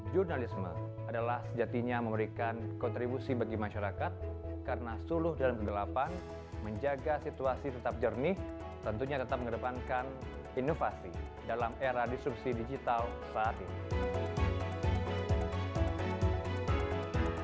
jurnalisme adalah sejatinya memberikan kontribusi bagi masyarakat karena suluh dan kegelapan menjaga situasi tetap jernih tentunya tetap mengedepankan inovasi dalam era disrupsi digital saat ini